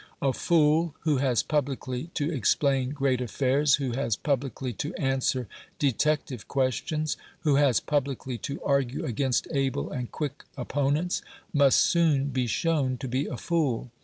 A fool, who has publicly to explain great affairs, who has publicly to answer detective questions, who has publicly to argue against able and quick opponents, must soon be shown to be a fool.